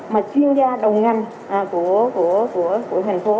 mà chuyên gia đồng ngành của thành phố